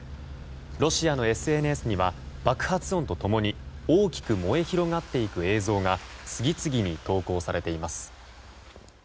ロシアのＳＮＳには爆発音と共に大きく燃え広がっていく映像が次々に投稿されています。